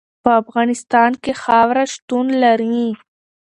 په افغانستان کې خاوره شتون لري.